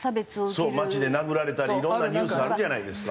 そう街で殴られたりいろんなニュースあるじゃないですか。